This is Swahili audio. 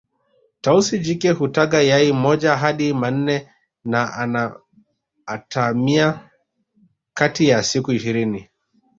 Tausi jike hutaga yai moja hadi manne na ana atamia kati ya siku ishirini